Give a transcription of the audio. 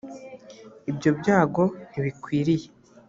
ibyo byago ntibikwiriye